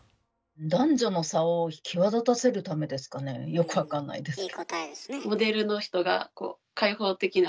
よく分かんないですけど。